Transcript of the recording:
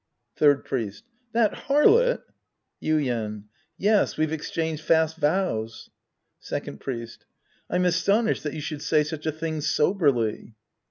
Third Priest. That harlot ? Yuien. Yes, we've exchanged fast vows. Second Priest. I'm astonished that you should say such a thing soberly.